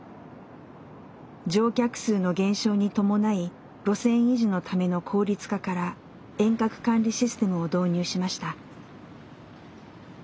乗客数の減少に伴い路線維持のための効率化から遠隔管理システムを導入しました。